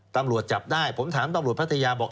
ตำรวจจับได้ผมถามตำรวจพัทยาบอก